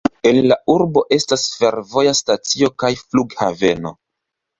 En la urbo estas fervoja stacio kaj flughaveno.